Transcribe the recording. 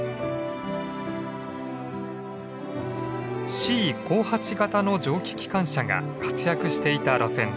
Ｃ５８形の蒸気機関車が活躍していた路線です。